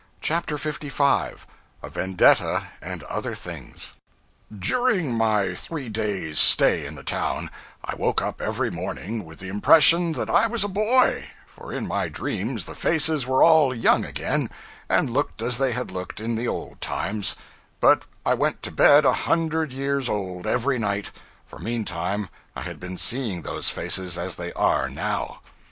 CHAPTER 55 A Vendetta and Other Things DURING my three days' stay in the town, I woke up every morning with the impression that I was a boy for in my dreams the faces were all young again, and looked as they had looked in the old times but I went to bed a hundred years old, every night for meantime I had been seeing those faces as they are now.